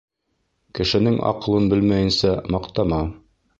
Кешенең аҡылын белмәйенсә, маҡтама.